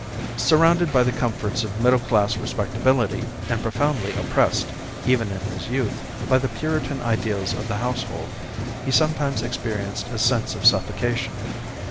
Surrounded by the comforts of middle class respectability, and profoundly oppressed, even in his youth, by the Puritan ideals of the household, he sometimes experienced a sense of suffocation.